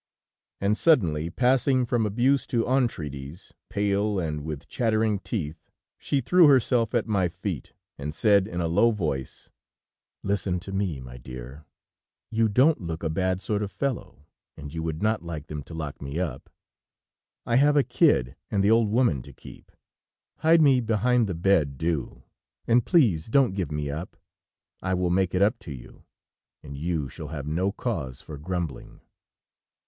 "And suddenly, passing from abuse to entreaties, pale and with chattering teeth, she threw herself at my feet, and said, in a low voice: "'Listen to me, my dear: you don't look a bad sort of fellow, and you would not like them to lock me up. I have a kid and the old woman to keep. Hide me behind the bed, do, and please don't give me up.... I will make it up to you, and you shall have no cause for grumbling....'